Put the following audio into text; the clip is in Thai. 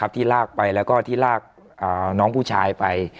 ที่ลากไปแล้วก็ที่ลากน้องผู้ชายไป